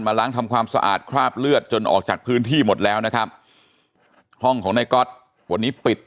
ล้างทำความสะอาดคราบเลือดจนออกจากพื้นที่หมดแล้วนะครับห้องของนายก๊อตวันนี้ปิด